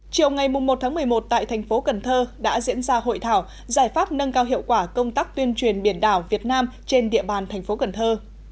chiều ngày một một mươi một tại thành phố cần thơ đã diễn ra hội thảo giải pháp nâng cao hiệu quả công tác tuyên truyền biển đảo việt nam trên địa bàn thành phố cần thơ